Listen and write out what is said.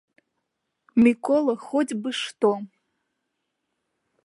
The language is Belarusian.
Мікола хоць бы што!